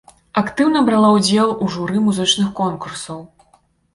Актыўна брала ўдзел у журы музычных конкурсаў.